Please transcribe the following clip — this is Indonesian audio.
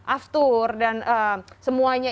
aftur dan semuanya